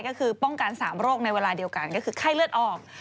ก็คือป้องกัน๓โรคในเวลาเดียวกันก็คือไข้เลือดออก